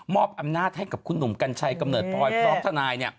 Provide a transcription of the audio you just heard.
อำนาจให้กับคุณหนุ่มกัญชัยกำเนิดพลอยพร้อมทนาย